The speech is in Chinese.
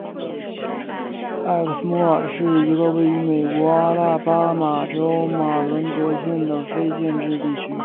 埃克斯莫尔是一个位于美国阿拉巴马州马伦戈县的非建制地区。